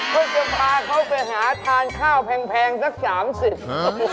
ก็จะพาเขาไปหาทานข้าวแพงสัก๓๐บาท